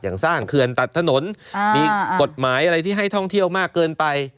สร้างเขื่อนตัดถนนมีกฎหมายอะไรที่ให้ท่องเที่ยวมากเกินไป